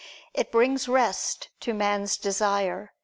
i, 7) it brings rest to man's desire.